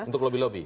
untuk lebih loh pak